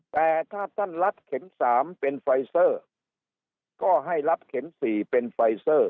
แต่ถ้าท่านรัดเข็ม๓เป็นไฟเซอร์ก็ให้รับเข็ม๔เป็นไฟเซอร์